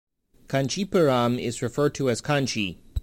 Kancheepuram is referred to as Kanchi.